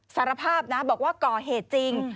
สารภาพนะบอกว่าก่อเหตุจริง